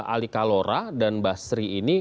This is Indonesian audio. ali kalora dan basri ini